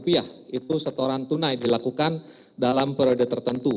itu setoran tunai dilakukan dalam periode tertentu